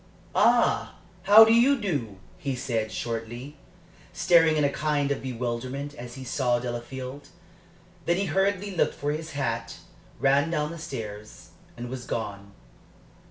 "Ah, how do you do?" he said, shortly, staring in a kind of bewilderment as he saw Delafield. Then he hurriedly looked for his hat, ran down the stairs, and was gone.